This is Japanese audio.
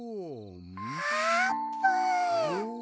あーぷん！